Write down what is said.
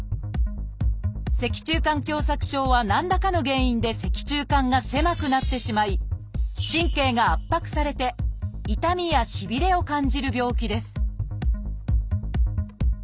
「脊柱管狭窄症」は何らかの原因で脊柱管が狭くなってしまい神経が圧迫されて痛みやしびれを感じる病気です